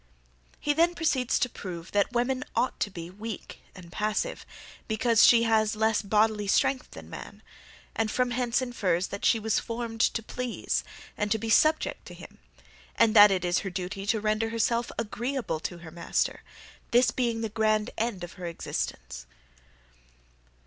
He then proceeds to prove, that women ought to be weak and passive, because she has less bodily strength than man; and from hence infers, that she was formed to please and to be subject to him; and that it is her duty to render herself AGREEABLE to her master this being the grand end of her existence.